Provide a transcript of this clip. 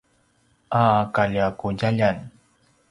a kaljaqudjaljan